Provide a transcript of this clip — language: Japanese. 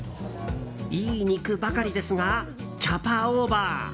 いい肉ばかりですがキャパオーバー。